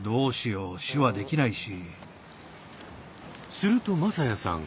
すると匡哉さん